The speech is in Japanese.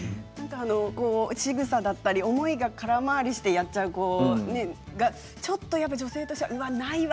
しぐさだったり思いが空回りしてやってしまうちょっと女性としてはないわ